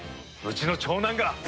うちの長男が！